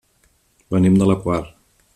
Venim de la Quar.